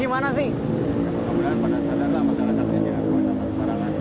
kebanyakan penasaran lah masalah sampahnya jangan buang sampah sembarangan